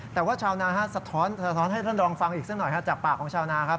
แต่ว่าชาวนาสะท้อนให้ท่านลองฟังอีกสักหน่อยจากปากของชาวนาครับ